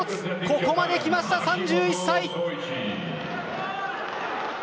ここまで来ました、３１歳！